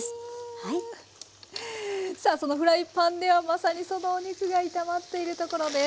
さあそのフライパンではまさにそのお肉が炒まっているところです。